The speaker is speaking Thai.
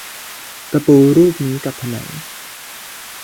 ตะปูรูปนี้กับผนัง